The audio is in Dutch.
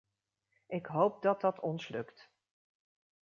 Ik hoop dat dat ons lukt.